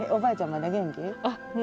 まだ元気？